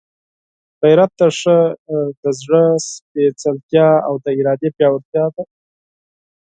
غیرت د زړه سپېڅلتیا او د ارادې پیاوړتیا ده.